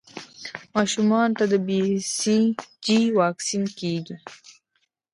ماشومانو ته د بي سي جي واکسین کېږي.